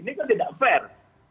ini kan tidak fair